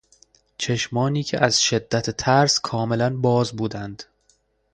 چشمانی که از شدت ترس کاملا باز بودند